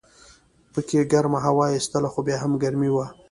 پکې ګرمه هوا ایستله خو بیا هم ګرمي وه.